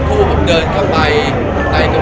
มุมการก็แจ้งแล้วเข้ากลับมานะครับ